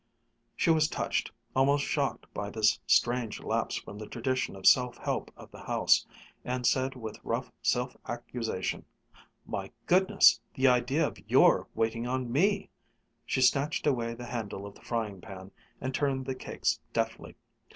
She was touched, almost shocked by this strange lapse from the tradition of self help of the house, and said with rough self accusation: "My goodness! The idea of your waiting on me!" She snatched away the handle of the frying pan and turned the cakes deftly.